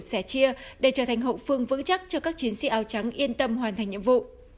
sẻ chia để trở thành hậu phương vững chắc cho các chiến sĩ áo trắng yên tâm hoàn thành nhiệm vụ